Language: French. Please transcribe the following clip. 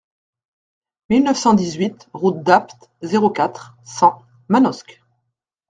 mille neuf cent dix-huit route d'Apt, zéro quatre, cent Manosque